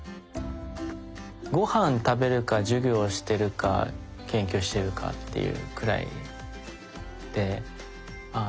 ご飯食べるか授業してるか研究しているかっていうくらいで。